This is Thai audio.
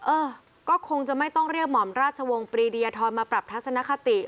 เออก็คงจะไม่ต้องเรียกหม่อมราชวงศ์ปรีดียทรมาปรับทัศนคติ